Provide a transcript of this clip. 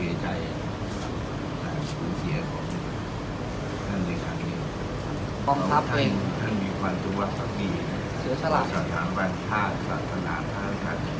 เราก็เชิญคุณท่านนะครับเขาคิดว่าถ้าเป็นศูนย์ชนิยมบุคคลเขาก็สุขแล้ว